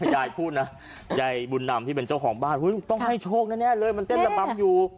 ยายพูดนะยายบุญนำที่เป็นเจ้าของบ้านต้องให้โชคแน่เลยมันเต้นระบำอยู่